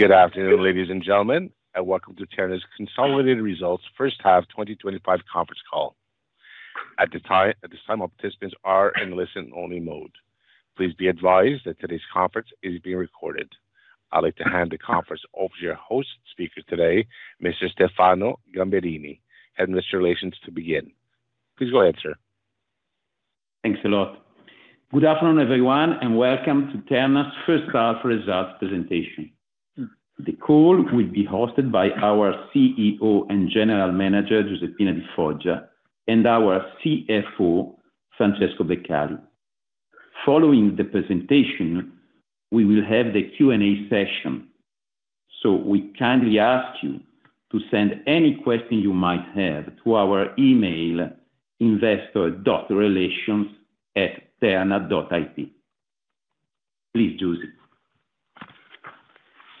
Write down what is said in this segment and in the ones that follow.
Good afternoon, ladies and gentlemen, and welcome to Terna's Consolidated Results First Half 2025 conference call. At this time, all participants are in listen-only mode. Please be advised that today's conference is being recorded. I'd like to hand the conference over to your host speaker today, Mr. Stefano Gamberini, Head of Investor Relations, to begin. Please go ahead, sir. Thanks a lot. Good afternoon, everyone, and welcome to Terna's First Half Results presentation. The call will be hosted by our CEO and General Manager, Giuseppina Di Foggia, and our CFO, Francesco Beccali. Following the presentation, we will have the Q&A session. We kindly ask you to send any questions you might have to our email, investor.relations@terna.it. Please, Giusy.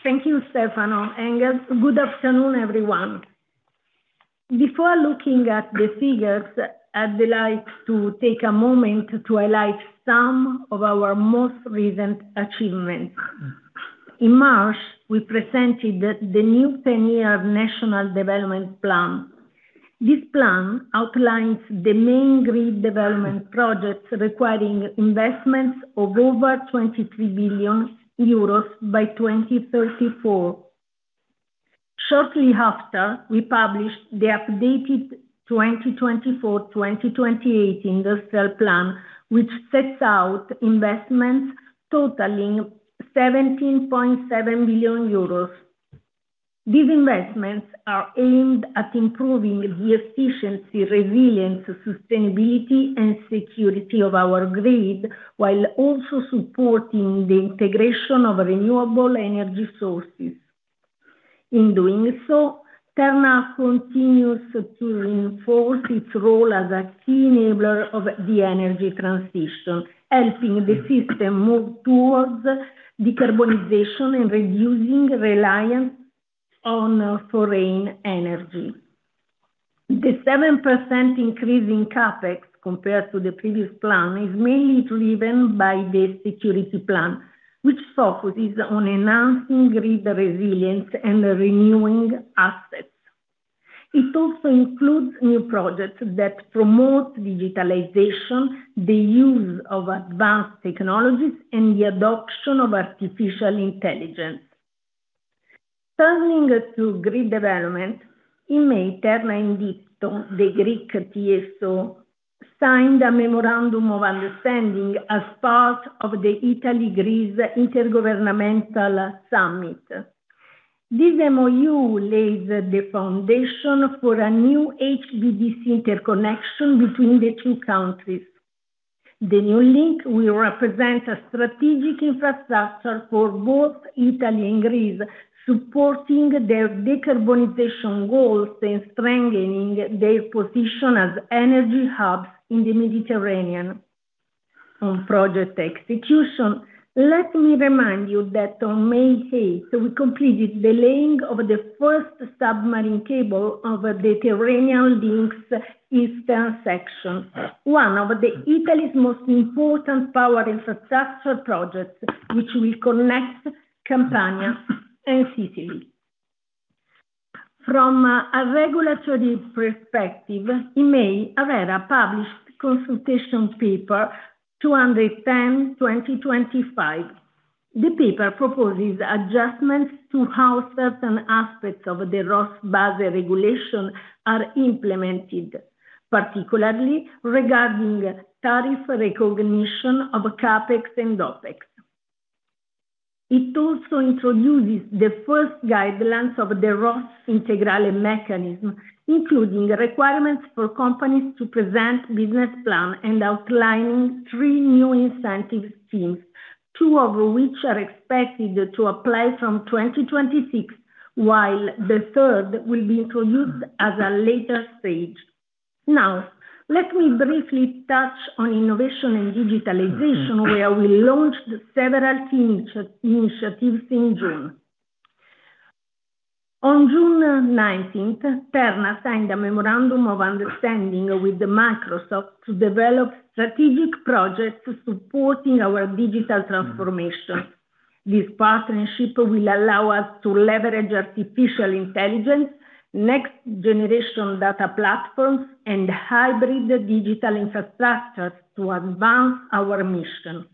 Thank you, Stefano. Good afternoon, everyone. Before looking at the figures, I'd like to take a moment to highlight some of our most recent achievements. In March, we presented the new 10-year National Development Plan. This plan outlines the main green development projects requiring investments of over 23 billion euros by 2034. Shortly after, we published the updated 2024-2028 Industrial Plan, which sets out investments totaling 17.7 billion euros. These investments are aimed at improving the efficiency, resilience, sustainability, and security of our grid, while also supporting the integration of renewable energy sources. In doing so, Terna continues to reinforce its role as a key enabler of the energy transition, helping the system move towards decarbonization and reducing reliance on foreign energy. The 7% increase in CapEx compared to the previous plan is mainly driven by the Security Plan, which focuses on enhancing grid resilience and renewing assets. It also includes new projects that promote digitalization, the use of advanced technologies, and the adoption of artificial intelligence. Turning to grid development, in May, Terna and IPTO, the Greek TSO, signed a memorandum of understanding as part of the Italy-Greece Intergovernmental Summit. This MOU lays the foundation for a new HVDC interconnection between the two countries. The new link will represent a strategic infrastructure for both Italy and Greece, supporting their decarbonization goals and strengthening their position as energy hubs in the Mediterranean. On project execution, let me remind you that on May 8, we completed the laying of the first submarine cable of the Tyrrhenian Link's eastern section, one of Italy's most important power infrastructure projects, which will connect Campania and Sicily. From a regulatory perspective, in May, ARERA published a consultation paper, 210/2025. The paper proposes adjustments to how certain aspects of the ROSS base regulation are implemented, particularly regarding tariff recognition of CapEx and OpEx. It also introduces the first guidelines of the ROSS Integral Mechanism, including requirements for companies to present a business plan and outlining three new incentive schemes, two of which are expected to apply from 2026, while the third will be introduced at a later stage. Now, let me briefly touch on innovation and digitalization, where we launched several initiatives in June. On June 19, Terna signed a memorandum of understanding with Microsoft to develop strategic projects supporting our digital transformation. This partnership will allow us to leverage artificial intelligence, next-generation data platforms, and hybrid digital infrastructures to advance our mission.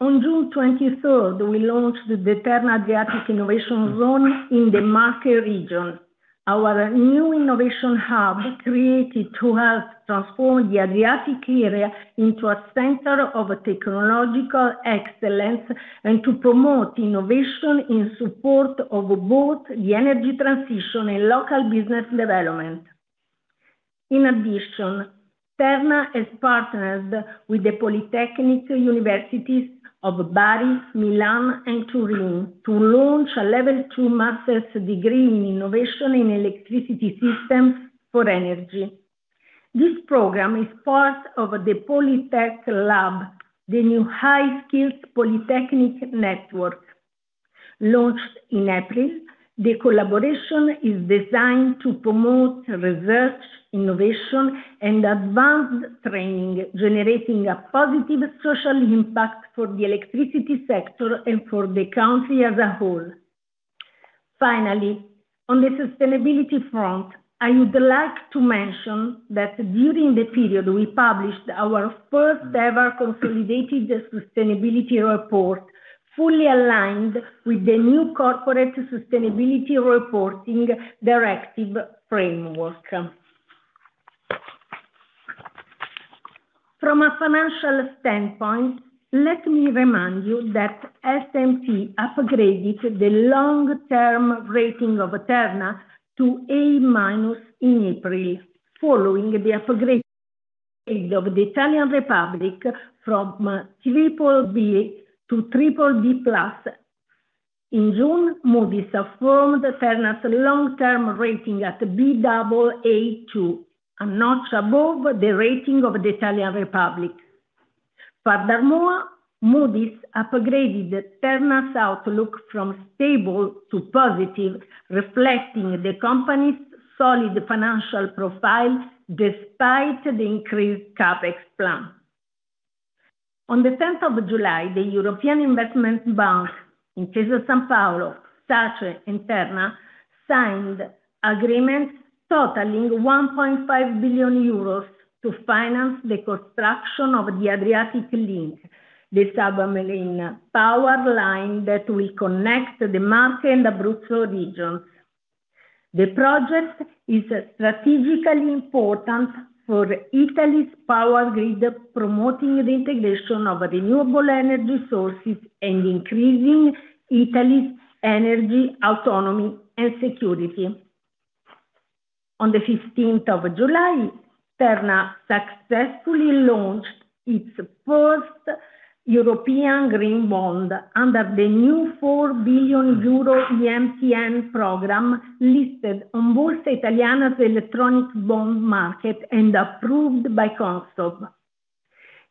On June 23, we launched the Terna Adriatic Innovation Zone in the Marche region, our new innovation hub created to help transform the Adriatic area into a center of technological excellence and to promote innovation in support of both the energy transition and local business development. In addition, Terna has partnered with the Polytechnic University of Bari, Milan, and Turin to launch a Level 2 Master's Degree in Innovation in Electricity Systems for Energy. This program is part of the Polytech Lab, the new high-skilled Polytechnic Network. Launched in April, the collaboration is designed to promote research, innovation, and advanced training, generating a positive social impact for the electricity sector and for the country as a whole. Finally, on the sustainability front, I would like to mention that during the period we published our first-ever consolidated sustainability report, fully aligned with the new Corporate Sustainability Reporting Directive Framework. From a financial standpoint, let me remind you that S&P Global Ratings upgraded the long-term rating of Terna to A- in April, following the upgrade of the Italian Republic from BBB to BBB+. In June, Moody’s affirmed Terna's long-term rating at Baa2, a notch above the rating of the Italian Republic. Furthermore, Moody’s upgraded Terna's outlook from stable to positive, reflecting the company's solid financial profile despite the increased CapEx plan. On the 10th of July, the European Investment Bank, Intesa Sanpaolo, SACE, and Terna signed agreements totaling 1.5 billion euros to finance the construction of the Adriatic Link, the submarine power line that will connect the Marche and Abruzzo regions. The project is strategically important for Italy's power grid, promoting the integration of renewable energy sources and increasing Italy's energy autonomy and security. On the 15th of July, Terna successfully launched its first European green bond under the new 4 billion euro EMTN program listed on both the Italian electronic bond market and approved by CONSOB.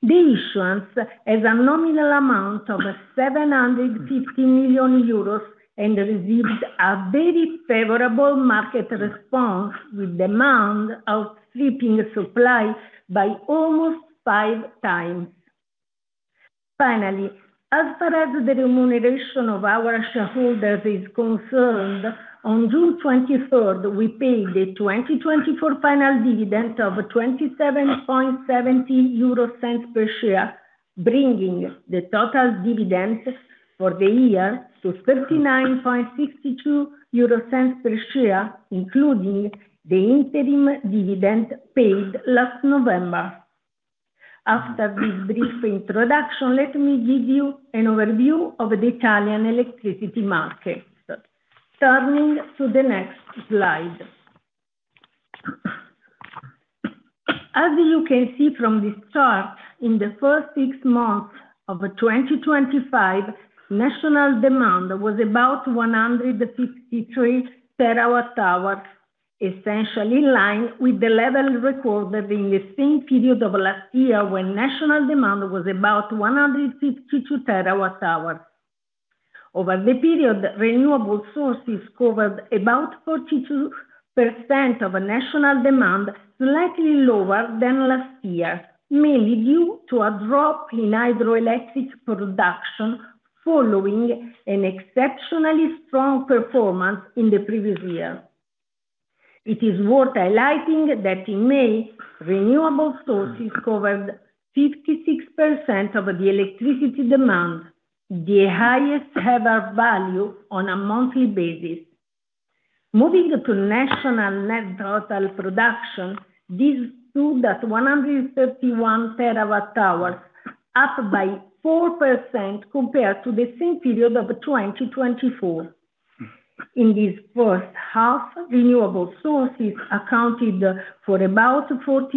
The issuance has a nominal amount of 750 million euros and received a very favorable market response, with demand outstripping supply by almost five times. Finally, as far as the remuneration of our shareholders is concerned, on June 23, we paid the 2024 final dividend of 27.70 euro per share, bringing the total dividend for the year to 39.62 euro per share, including the interim dividend paid last November. After this brief introduction, let me give you an overview of the Italian electricity market. Turning to the next slide. As you can see from this chart, in the first six months of 2025, national demand was about 153 terawatt-hours, essentially in line with the level recorded in the same period of last year when national demand was about 152 terawatt-hours. Over the period, renewable sources covered about 42% of national demand, slightly lower than last year, mainly due to a drop in hydroelectric production following an exceptionally strong performance in the previous year. It is worth highlighting that in May, renewable sources covered 56% of the electricity demand, the highest-ever value on a monthly basis. Moving to national net total production, this stood at 131 terawatt-hours, up by 4% compared to the same period of 2024. In this first half, renewable sources accounted for about 49%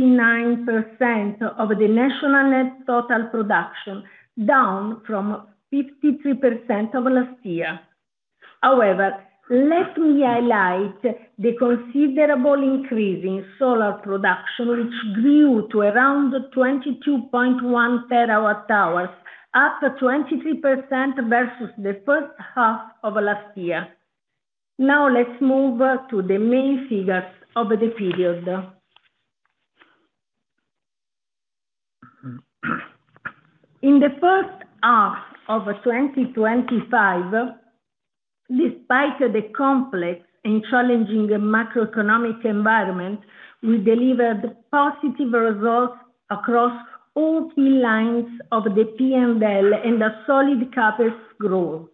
of the national net total production, down from 53% of last year. However, let me highlight the considerable increase in solar production, which grew to around 22.1 terawatt-hours, up 23% versus the first half of last year. Now, let's move to the main figures of the period. In the first half of 2025, despite the complex and challenging macroeconomic environment, we delivered positive results across all key lines of the P&L and a solid CapEx growth.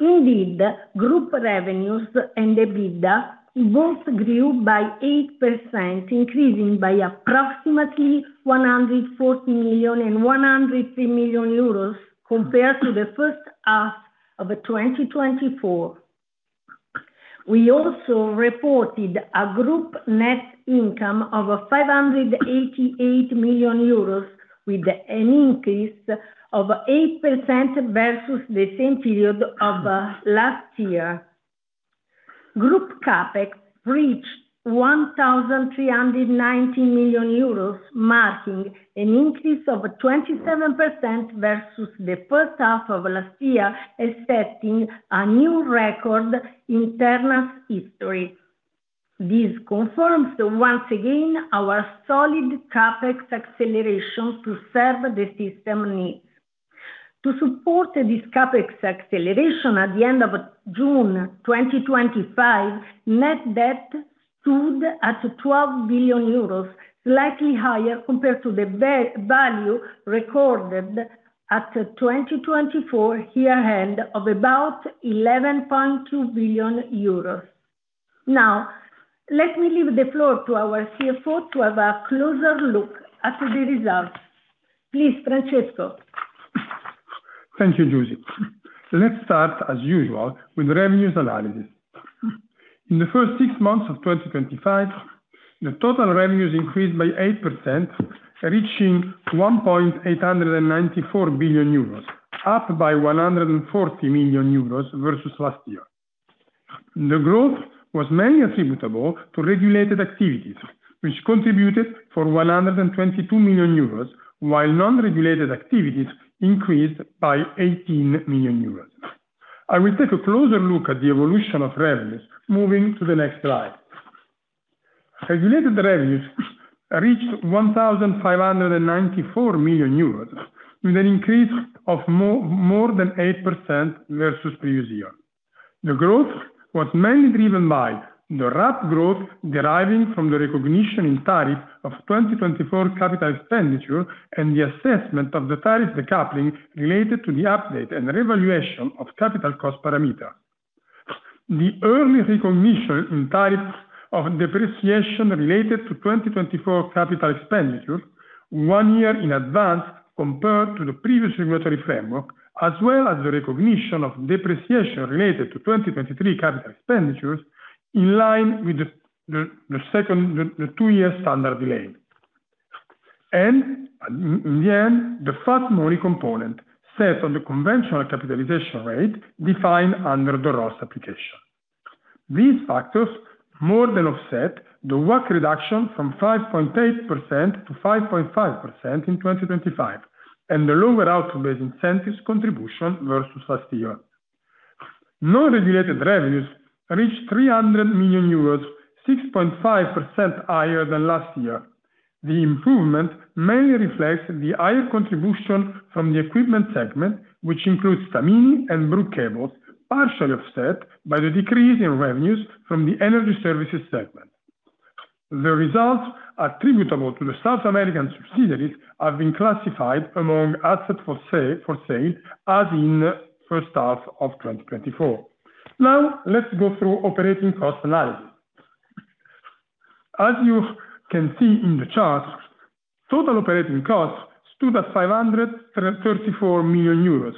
Indeed, group revenues and EBITDA both grew by 8%, increasing by approximately 140 million and 103 million euros compared to the first half of 2024. We also reported a group net income of 588 million euros, with an increase of 8% versus the same period of last year. Group CapEx reached 1,390 million euros, marking an increase of 27% versus the first half of last year, setting a new record in Terna's history. This confirms once again our solid CapEx acceleration to serve the system needs. To support this CapEx acceleration, at the end of June 2025, net debt stood at 12 billion euros, slightly higher compared to the value recorded at 2024 year-end of about 11.2 billion euros. Now, let me leave the floor to our CFO to have a closer look at the results. Please, Francesco. Thank you, Giusy. Let's start, as usual, with the revenues analysis. In the first six months of 2025, the total revenues increased by 8%, reaching 1.894 billion euros, up by 140 million euros versus last year. The growth was mainly attributable to regulated activities, which contributed for 122 million euros, while non-regulated activities increased by 18 million euros. I will take a closer look at the evolution of revenues, moving to the next slide. Regulated revenues reached 1,594 million euros, with an increase of more than 8% versus previous year. The growth was mainly driven by the rapid growth deriving from the recognition in tariff of 2024 capital expenditure and the assessment of the tariff decoupling related to the update and revaluation of capital cost parameters. The early recognition in tariff of depreciation related to 2024 capital expenditure, one year in advance compared to the previous regulatory framework, as well as the recognition of depreciation related to 2023 capital expenditures, in line with the two-year standard delay. In the end, the FATMORI component set on the conventional capitalization rate defined under the ROSS application. These factors more than offset the work reduction from 5.8%-5.5% in 2025 and the lower out-of-base incentives contribution versus last year. Non-regulated revenues reached 300 million euros, 6.5% higher than last year. The improvement mainly reflects the higher contribution from the equipment segment, which includes Tamini and Bruk Cables, partially offset by the decrease in revenues from the energy services segment. The results attributable to the South American subsidiaries have been classified among assets for sale as in the first half of 2024. Now, let's go through operating cost analysis. As you can see in the chart, total operating costs stood at 534 million euros,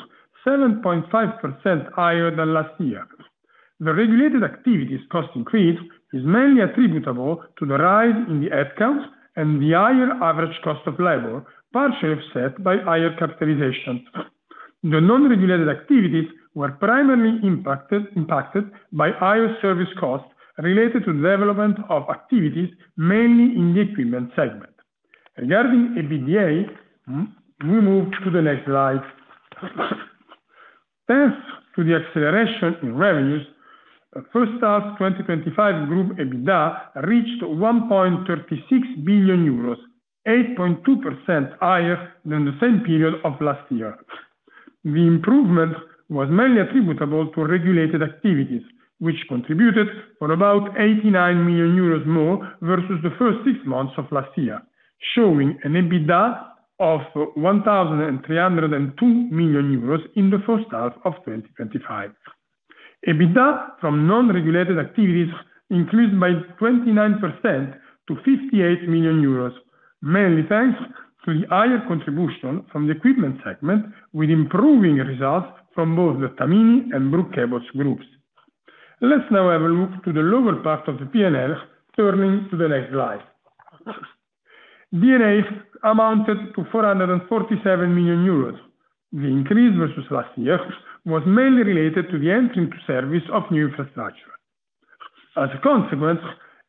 7.5% higher than last year. The regulated activities cost increase is mainly attributable to the rise in the headcount and the higher average cost of labor, partially offset by higher capitalization. The non-regulated activities were primarily impacted by higher service costs related to the development of activities mainly in the equipment segment. Regarding EBITDA, we move to the next slide. Thanks to the acceleration in revenues, first half 2025 group EBITDA reached 1.36 billion euros, 8.2% higher than the same period of last year. The improvement was mainly attributable to regulated activities, which contributed for about 89 million euros more versus the first six months of last year, showing an EBITDA of 1,302 million euros in the first half of 2025. EBITDA from non-regulated activities increased by 29% to 58 million euros, mainly thanks to the higher contribution from the equipment segment, with improving results from both the Tamini and Bruk Cables groups. Let's now have a look to the lower part of the P&L, turning to the next slide. D&A amounted to 447 million euros. The increase versus last year was mainly related to the entry into service of new infrastructure. As a consequence,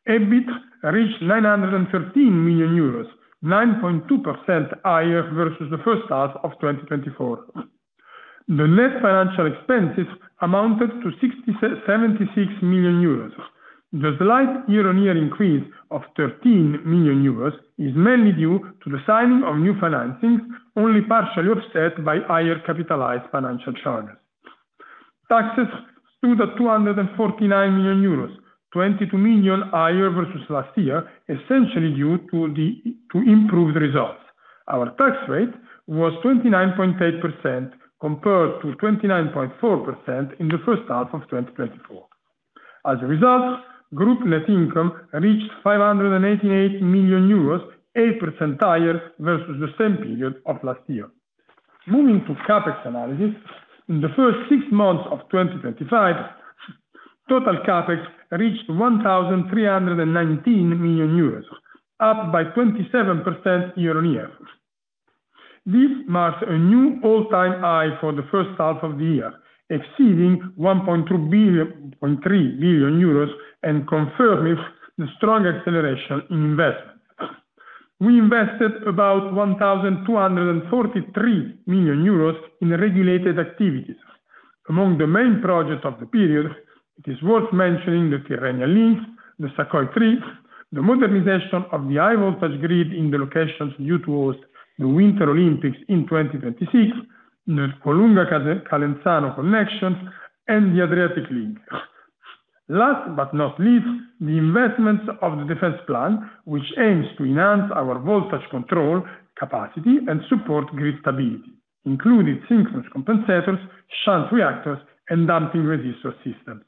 EBIT reached 913 million euros, 9.2% higher versus the first half of 2024. The net financial expenses amounted to 76 million euros. The slight year-on-year increase of 13 million euros is mainly due to the signing of new financings, only partially offset by higher capitalized financial charges. Taxes stood at 249 million euros, 22 million higher versus last year, essentially due to improved results. Our tax rate was 29.8% compared to 29.4% in the first half of 2024. As a result, group net income reached 588 million euros, 8% higher versus the same period of last year. Moving to CapEx analysis, in the first six months of 2025, total CapEx reached 1,319 million euros, up by 27% year-on-year. This marks a new all-time high for the first half of the year, exceeding 1.3 billion and confirming the strong acceleration in investment. We invested about 1,243 million euros in regulated activities. Among the main projects of the period, it is worth mentioning the Tyrrhenian Links, the Sacco Tree, the modernization of the high-voltage grid in the locations due to host the Winter Olympics in 2026, the Colunga-Calenzano connection, and the Adriatic Link. Last but not least, the investments of the defense plan, which aims to enhance our voltage control capacity and support grid stability, included synchronous compensators, shunt reactors, and damping resistor systems.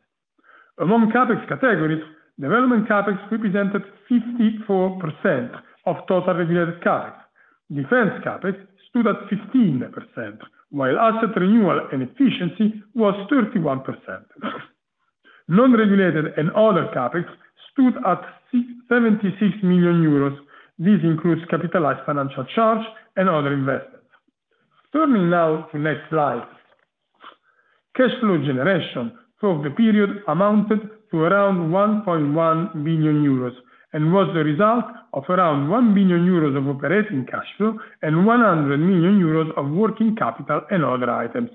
Among CapEx categories, development CapEx represented 54% of total regulated CapEx. Defense CapEx stood at 15%, while asset renewal and efficiency was 31%. Non-regulated and other CapEx stood at 76 million euros. This includes capitalized financial charge and other investments. Turning now to the next slide. Cash flow generation for the period amounted to around 1.1 billion euros and was the result of around 1 billion euros of operating cash flow and 100 million euros of working capital and other items.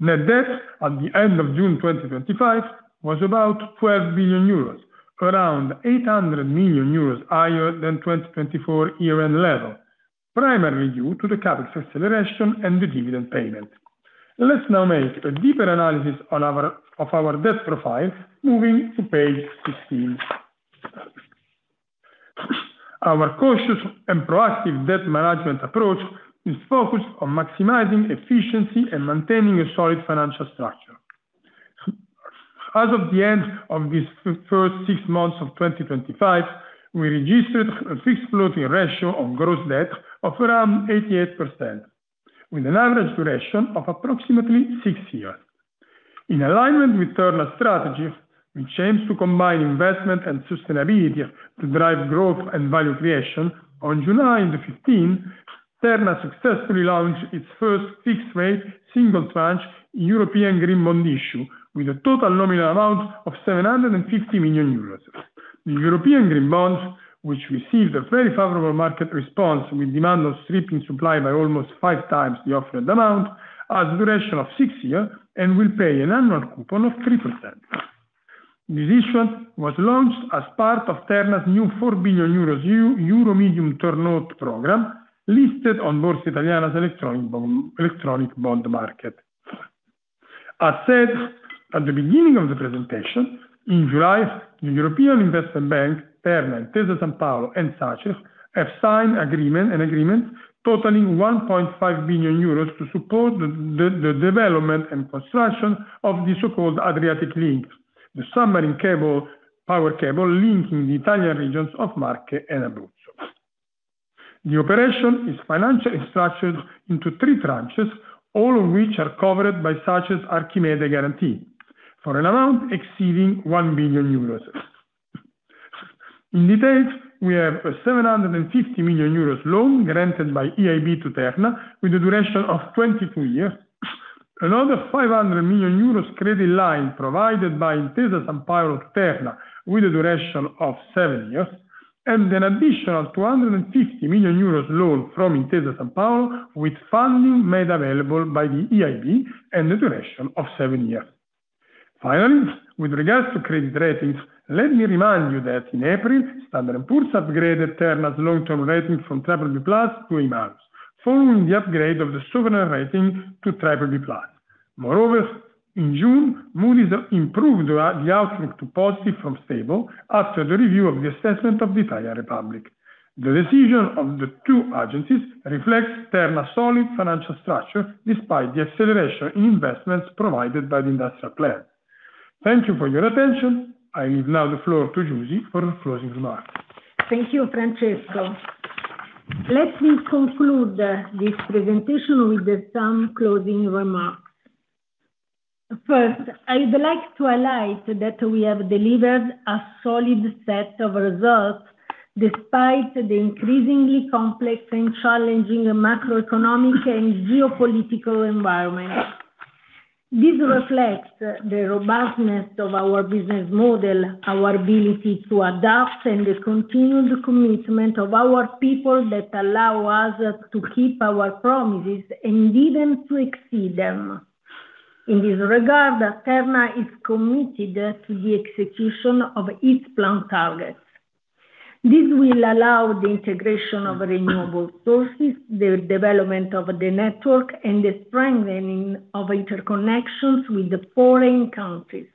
Net debt at the end of June 2025 was about 12 billion euros, around 800 million euros higher than the 2024 year-end level, primarily due to the CapEx acceleration and the dividend payment. Let's now make a deeper analysis of our debt profile, moving to page 16. Our cautious and proactive debt management approach is focused on maximizing efficiency and maintaining a solid financial structure. As of the end of these first six months of 2025, we registered a fixed floating ratio on gross debt of around 88%, with an average duration of approximately six years. In alignment with Terna's strategy, which aims to combine investment and sustainability to drive growth and value creation, on July 15, Terna successfully launched its first fixed-rate single-tranche European Green Bond issue, with a total nominal amount of 750 million euros. The European Green Bonds, which received a very favorable market response with demand outstripping supply by almost five times the offered amount, has a duration of six years and will pay an annual coupon of 3%. This issue was launched as part of Terna's new 4 billion Euro Medium Term Note Program listed on Borsa Italiana's electronic bond market. As said at the beginning of the presentation, in July, the European Investment Bank, Terna, and Intesa Sanpaolo and SACE have signed agreements totaling 1.5 billion euros to support the development and construction of the so-called Adriatic Link, the submarine power cable linking the Italian regions of Marche and Abruzzo. The operation is financially structured into three tranches, all of which are covered by SACE's Archimede Guarantee, for an amount exceeding 1 billion euros. In detail, we have a 750 million euros loan granted by EIB to Terna with a duration of 22 years, another 500 million euros credit line provided by Intesa Sanpaolo to Terna with a duration of seven years, and an additional 250 million euros loan from Intesa Sanpaolo with funding made available by the EIB and a duration of seven years. Finally, with regards to credit ratings, let me remind you that in April, Standard and Poor's upgraded Terna's long-term rating from BBB+ to A+, following the upgrade of the sovereign rating to BBB+. Moreover, in June, Moody's improved the outlook to positive from stable after the review of the assessment of the Italian Republic. The decision of the two agencies reflects Terna's solid financial structure despite the acceleration in investments provided by the industrial plan. Thank you for your attention. I leave now the floor to Giusy for the closing remarks. Thank you, Francesco. Let me conclude this presentation with some closing remarks. First, I would like to highlight that we have delivered a solid set of results despite the increasingly complex and challenging macroeconomic and geopolitical environment. This reflects the robustness of our business model, our ability to adapt, and the continued commitment of our people that allow us to keep our promises and even to exceed them. In this regard, Terna is committed to the execution of its planned targets. This will allow the integration of renewable sources, the development of the network, and the strengthening of interconnections with the foreign countries.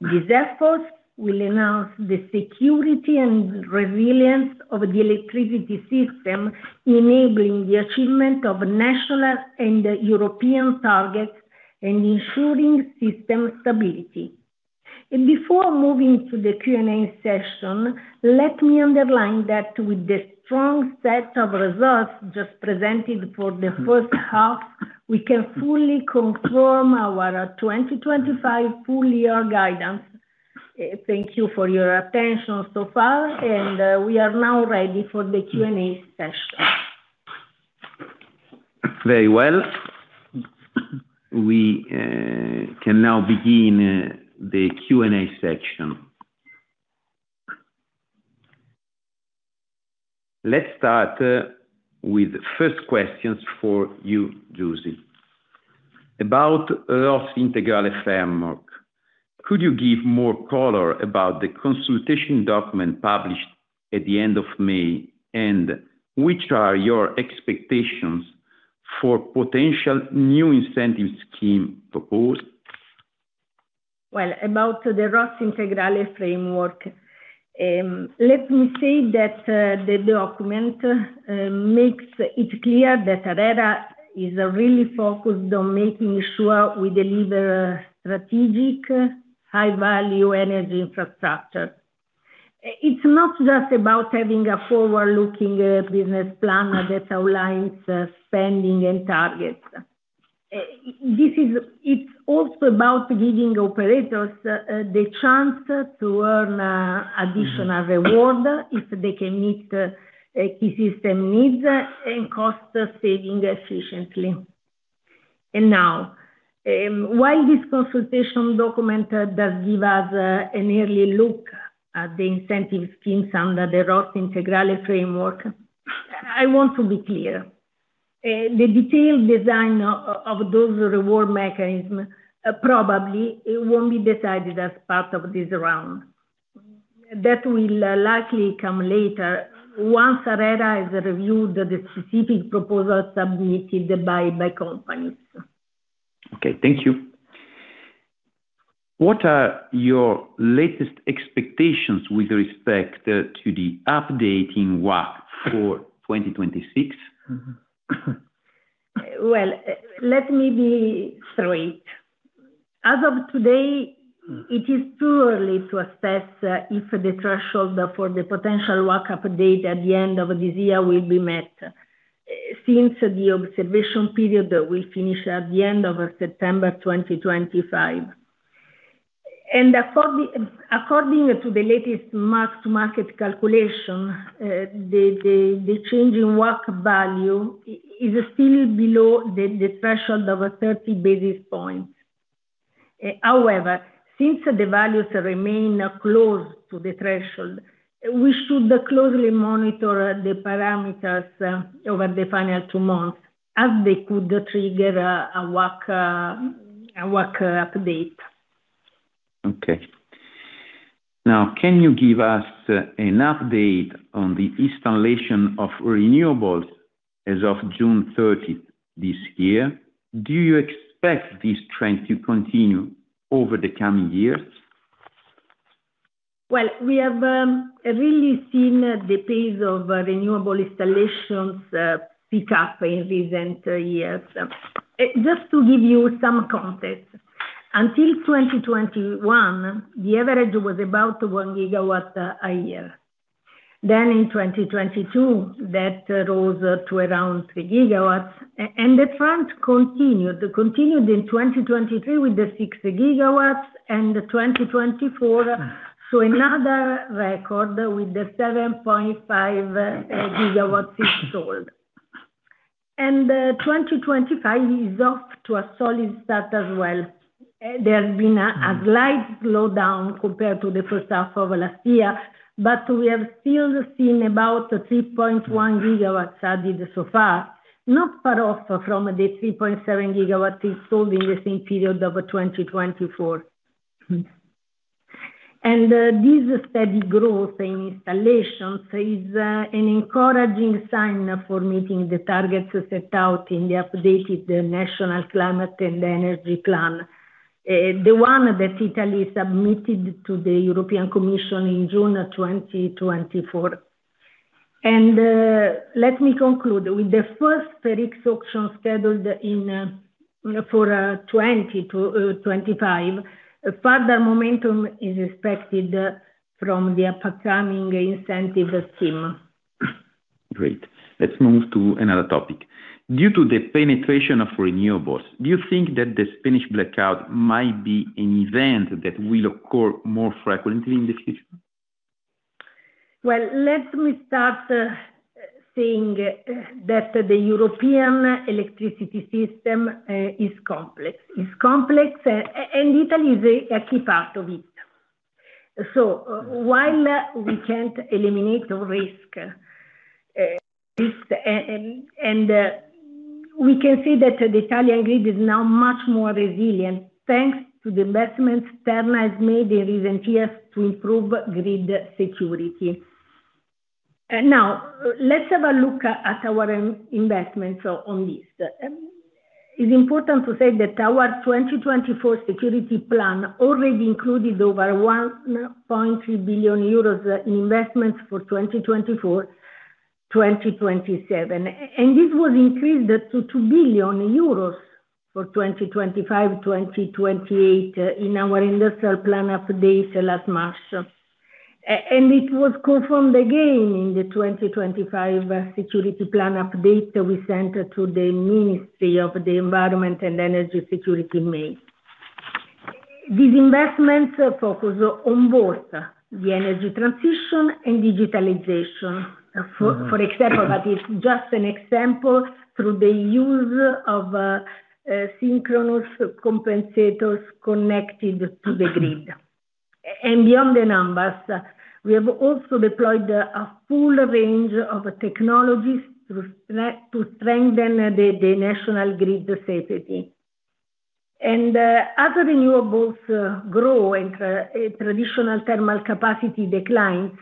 These efforts will enhance the security and resilience of the electricity system, enabling the achievement of National and European targets and ensuring system stability. Before moving to the Q&A session, let me underline that with the strong set of results just presented for the first half, we can fully confirm our 2025 full-year guidance. Thank you for your attention so far, and we are now ready for the Q&A session. Very well. We can now begin the Q&A section. Let's start with the first questions for you, Giusy. About ROSS Integrale Framework, could you give more color about the consultation document published at the end of May, and which are your expectations for potential new incentive scheme proposed? About the ROSS Integrale Framework, let me say that the document makes it clear that ARERA is really focused on making sure we deliver strategic, high-value energy infrastructure. It's not just about having a forward-looking business plan that outlines spending and targets. It's also about giving operators the chance to earn additional reward if they can meet key system needs and cost-saving efficiently. Now, while this consultation document does give us an early look at the incentive schemes under the ROSS Integrale Framework, I want to be clear. The detailed design of those reward mechanisms probably won't be decided as part of this round. That will likely come later once ARERA has reviewed the specific proposals submitted by companies. Okay, thank you. What are your latest expectations with respect to the updating WACC for 2026? Let me be straight. As of today, it is too early to assess if the threshold for the potential WACC update at the end of this year will be met. Since the observation period will finish at the end of September 2025. According to the latest mark-to-market calculation, the changing WACC value is still below the threshold of 30 basis points. However, since the values remain close to the threshold, we should closely monitor the parameters over the final two months as they could trigger a WACC update. Okay. Now, can you give us an update on the installation of renewables as of June 30 this year? Do you expect this trend to continue over the coming years? We have really seen the pace of renewable installations pick up in recent years. Just to give you some context, until 2021, the average was about 1 GW a year. In 2022, that rose to around 3 GW, and the trend continued in 2023 with 6 GW, and 2024 saw another record with 7.5 GW installed. 2025 is off to a solid start as well. There has been a slight slowdown compared to the first half of last year, but we have still seen about 3.1 GW added so far, not far off from the 3.7 GW installed in the same period of 2024. This steady growth in installations is an encouraging sign for meeting the targets set out in the updated National Climate and Energy Plan, the one that Italy submitted to the European Commission in June 2024. Let me conclude with the first FER-X auction scheduled for 2025. Further momentum is expected from the upcoming incentive scheme. Great. Let's move to another topic. Due to the penetration of renewables, do you think that the Spanish blackout might be an event that will occur more frequently in the future? Let me start by saying that the European electricity system is complex. It is complex, and Italy is a key part of it. While we can't eliminate the risk, we can see that the Italian grid is now much more resilient thanks to the investments Terna has made in recent years to improve grid security. Now, let's have a look at our investments on this. It is important to say that our 2024 security plan already included over 1.3 billion euros in investments for 2024-2027. This was increased to 2 billion euros for 2025-2028 in our industrial plan update last March. It was confirmed again in the 2025 security plan update we sent to the Ministry of the Environment and Energy Security in May. These investments focus on both the energy transition and digitalization. For example, but it's just an example, through the use of synchronous compensators connected to the grid. Beyond the numbers, we have also deployed a full range of technologies to strengthen the national grid safety. As renewables grow and traditional thermal capacity declines,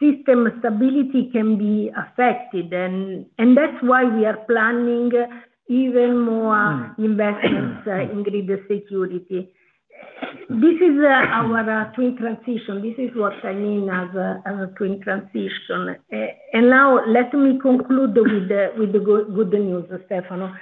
system stability can be affected. That is why we are planning even more investments in grid security. This is our twin transition. This is what I mean as a twin transition. Now, let me conclude with the good news, Stefano.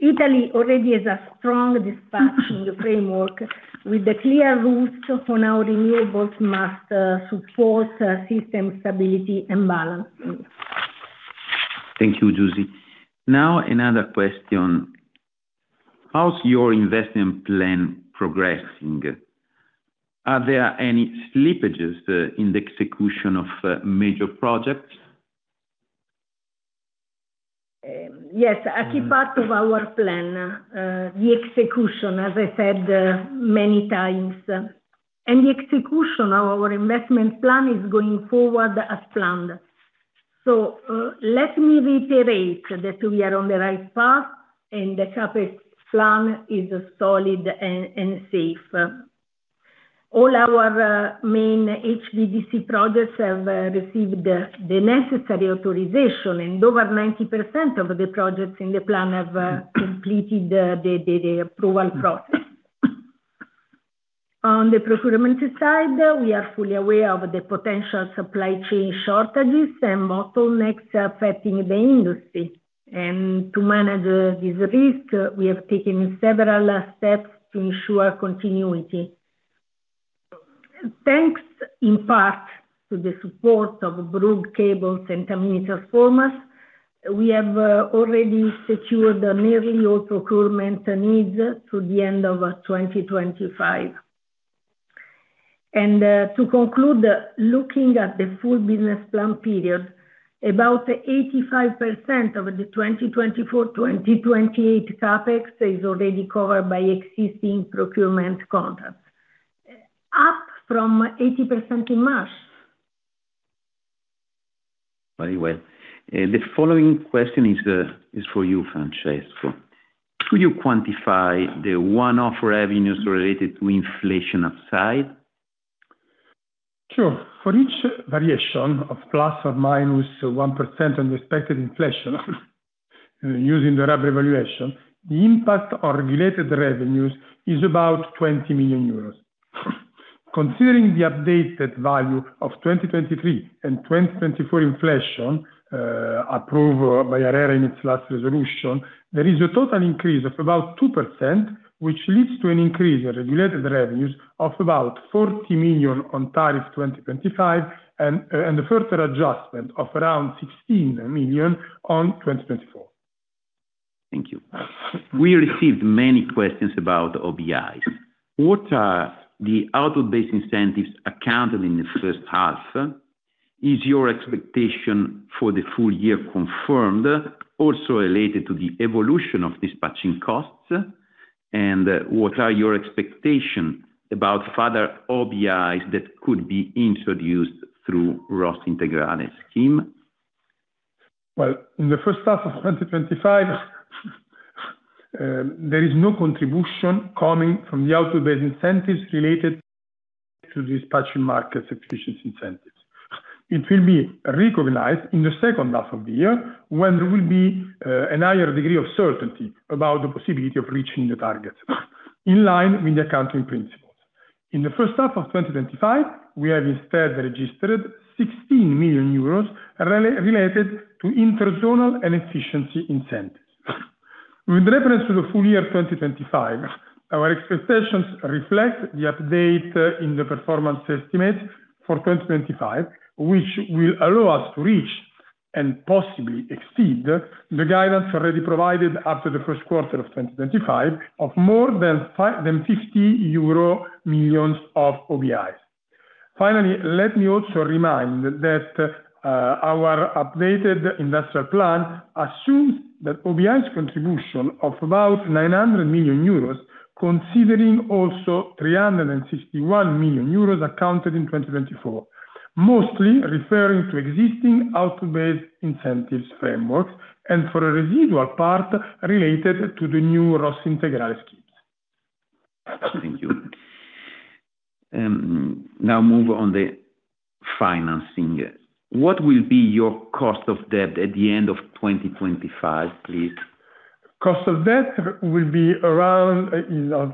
Italy already has a strong dispatching framework with clear rules on how renewables must support system stability and balancing. Thank you, Giusy. Now, another question. How is your investment plan progressing? Are there any slippages in the execution of major projects? Yes, a key part of our plan. The execution, as I said many times, and the execution of our investment plan is going forward as planned. Let me reiterate that we are on the right path and the CapEx plan is solid and safe. All our main HVDC projects have received the necessary authorization, and over 90% of the projects in the plan have completed the approval process. On the procurement side, we are fully aware of the potential supply chain shortages and bottlenecks affecting the industry. To manage this risk, we have taken several steps to ensure continuity. Thanks in part to the support of Bruk Cables and Tamini transformers, we have already secured nearly all procurement needs to the end of 2025. To conclude, looking at the full business plan period, about 85% of the 2024-2028 CapEx is already covered by existing procurement contracts, up from 80% in March. Very well. The following question is for you, Francesco. Could you quantify the one-off revenues related to inflation upside? Sure. For each variation of ±1% on the expected inflation, using the RAB revaluation, the impact on regulated revenues is about 20 million euros. Considering the updated value of 2023 and 2024 inflation approved by ARERA in its last resolution, there is a total increase of about 2%, which leads to an increase in regulated revenues of about 40 million on tariff 2025 and a further adjustment of around 16 million on 2024. Thank you. We received many questions about OBIS. What are the out-of-base incentives accounted in the first half? Is your expectation for the full year confirmed, also related to the evolution of dispatching costs? What are your expectations about further OBIS that could be introduced through ROSS Integrale scheme? In the first half of 2025, there is no contribution coming from the out-of-base incentives related to dispatching market efficiency incentives. It will be recognized in the second half of the year when there will be a higher degree of certainty about the possibility of reaching the targets in line with the accounting principles. In the first half of 2025, we have instead registered 16 million euros related to interzonal and efficiency incentives. With reference to the full year 2025, our expectations reflect the update in the performance estimates for 2025, which will allow us to reach and possibly exceed the guidance already provided after the first quarter of 2025 of more than 50 million euro of OBIS. Finally, let me also remind that our updated industrial plan assumes that OBIS contribution of about 900 million euros, considering also 361 million euros accounted in 2024, mostly referring to existing out-of-base incentives frameworks and for a residual part related to the new ROSS Integrale schemes. Thank you. Now, moving on to financing. What will be your cost of debt at the end of 2025, please? Cost of debt will be around,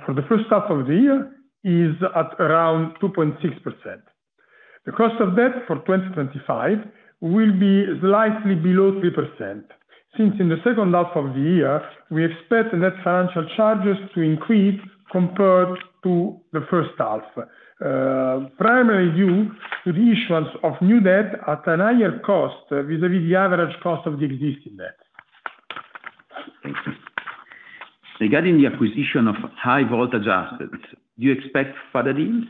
for the first half of the year, is at around 2.6%. The cost of debt for 2025 will be slightly below 3%, since in the second half of the year, we expect net financial charges to increase compared to the first half, primarily due to the issuance of new debt at a higher cost vis-à-vis the average cost of the existing debt. Thank you. Regarding the acquisition of high-voltage assets, do you expect further deals?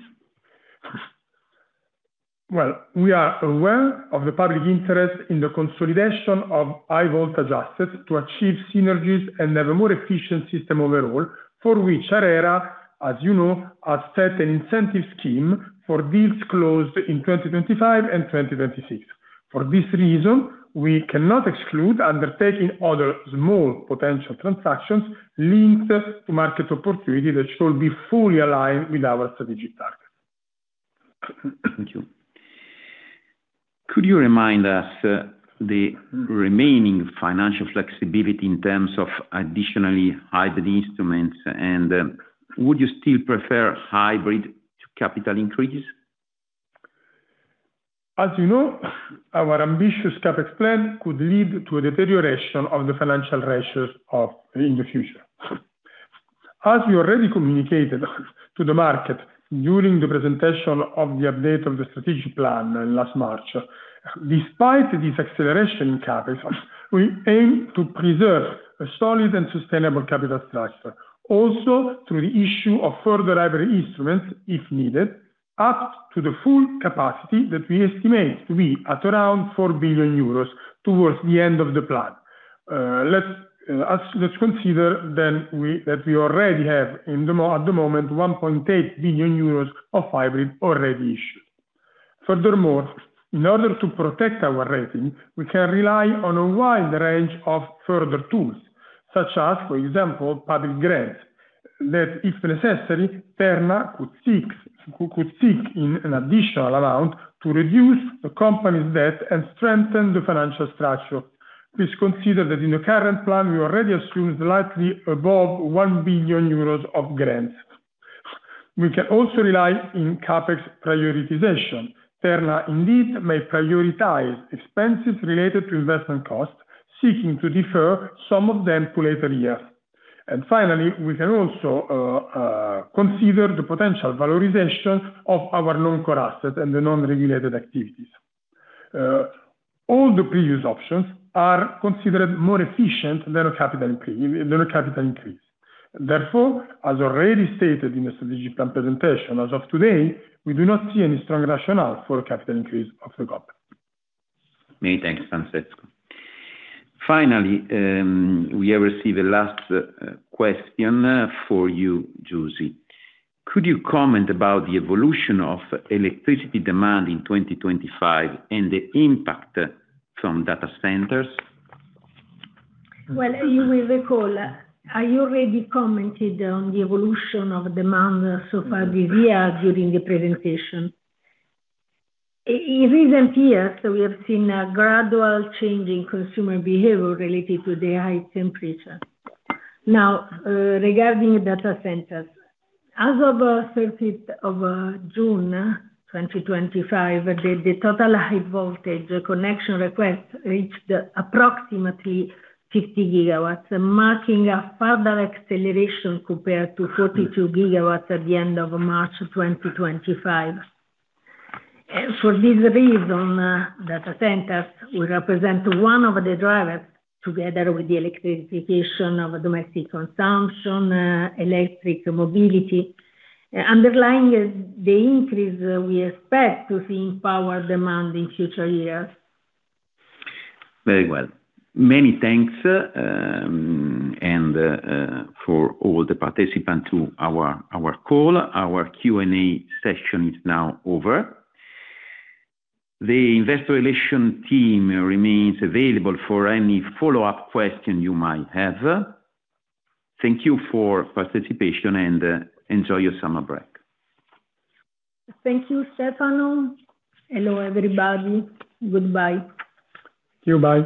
We are aware of the public interest in the consolidation of high-voltage assets to achieve synergies and have a more efficient system overall, for which ARERA, as you know, has set an incentive scheme for deals closed in 2025 and 2026. For this reason, we cannot exclude undertaking other small potential transactions linked to market opportunity that should be fully aligned with our strategic targets. Thank you. Could you remind us the remaining financial flexibility in terms of additional hybrid instruments? And would you still prefer hybrid to capital increases? As you know, our ambitious CapEx plan could lead to a deterioration of the financial ratios in the future. As we already communicated to the market during the presentation of the update of the strategic plan last March, despite this acceleration in CapEx, we aim to preserve a solid and sustainable capital structure, also through the issue of further hybrid instruments if needed, up to the full capacity that we estimate to be at around 4 billion euros towards the end of the plan. Let's consider then that we already have, at the moment, 1.8 billion euros of hybrid already issued. Furthermore, in order to protect our rating, we can rely on a wide range of further tools, such as, for example, public grants that, if necessary, Terna could seek in an additional amount to reduce the company's debt and strengthen the financial structure. Please consider that in the current plan, we already assume slightly above 1 billion euros of grants. We can also rely in CapEx prioritization. Terna indeed may prioritize expenses related to investment costs, seeking to defer some of them to later years. Finally, we can also consider the potential valorization of our non-core assets and the non-regulated activities. All the previous options are considered more efficient than a capital increase. Therefore, as already stated in the strategic plan presentation as of today, we do not see any strong rationale for a capital increase of the company. Many thanks, Francesco. Finally, we have received the last question for you, Giusy. Could you comment about the evolution of electricity demand in 2025 and the impact from data centers? You will recall, I already commented on the evolution of demand so far this year during the presentation. In recent years, we have seen a gradual change in consumer behavior related to the high temperature. Now, regarding data centers, as of 30th of June 2025, the total high-voltage connection request reached approximately 50 GW, marking a further acceleration compared to 42 GW at the end of March 2025. For this reason, data centers will represent one of the drivers, together with the electrification of domestic consumption, electric mobility, underlying the increase we expect to see in power demand in future years. Very well. Many thanks. For all the participants to our call. Our Q&A session is now over. The investor relation team remains available for any follow-up questions you might have. Thank you for participation and enjoy your summer break. Thank you, Stefano. Hello, everybody. Goodbye. Goodbye.